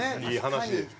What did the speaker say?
いい話。